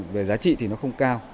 về giá trị thì nó không cao